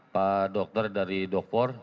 pak dokter dari dokpor